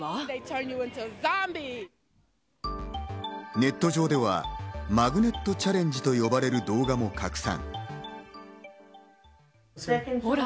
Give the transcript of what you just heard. ネット上ではマグネットチャレンジと呼ばれる動画も拡散。